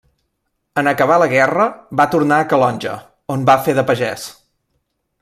En acabar la guerra, va tornar a Calonge, on va fer de pagès.